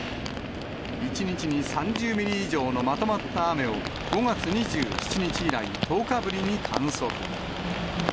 １日に３０ミリ以上のまとまった雨を５月２７日以来１０日ぶりに観測。